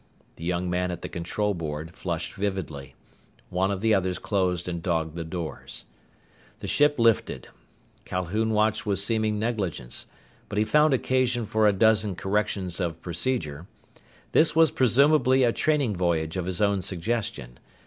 The young man at the control board flushed vividly. One of the others closed and dogged the doors. The ship lifted. Calhoun watched with seeming negligence. But he found occasion for a dozen corrections of procedure. This was presumably a training voyage of his own suggestion.